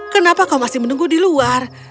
kenapa kau masih menunggu di luar